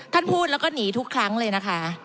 ท่านพูดแล้วก็หนีทุกครั้งเลยนะคะ